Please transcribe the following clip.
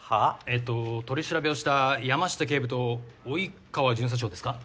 えっと取り調べをした山下警部と及川巡査長ですか。